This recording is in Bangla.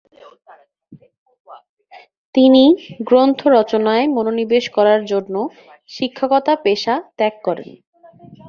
তিনি গ্রন্থ রচনায় মনোনিবেশ করার জন্য শিক্ষকতা পেশা ত্যাগ করেন।